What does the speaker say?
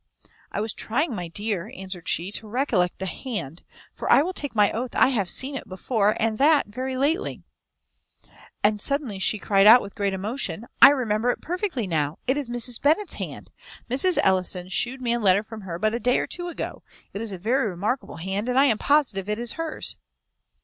"I was trying, my dear," answered she, "to recollect the hand; for I will take my oath I have seen it before, and that very lately;" and suddenly she cried out, with great emotion, "I remember it perfectly now; it is Mrs. Bennet's hand. Mrs. Ellison shewed me a letter from her but a day or two ago. It is a very remarkable hand, and I am positive it is hers."